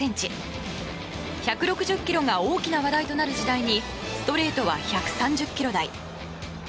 １６０キロが大きな話題となる時代にストレートは１３０キロ台。